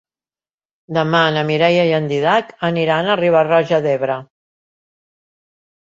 Demà na Mireia i en Dídac aniran a Riba-roja d'Ebre.